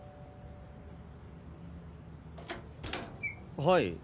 はい。